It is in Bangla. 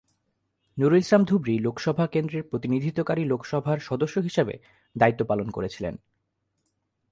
নুরুল ইসলাম ধুবড়ী লোকসভা কেন্দ্রের প্রতিনিধিত্বকারী লোকসভার সদস্য হিসাবে দায়িত্ব পালন করেছিলেন।